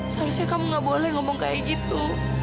seharusnya kamu gak boleh ngomong kayak gitu